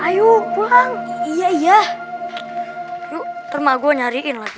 yuk terma gue nyariin lagi